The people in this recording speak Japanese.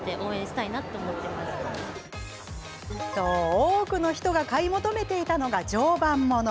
多くの人が買い求めていたのが常磐もの。